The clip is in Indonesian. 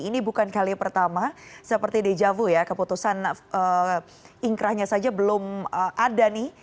ini bukan kali pertama seperti dejavu ya keputusan ingkrahnya saja belum ada nih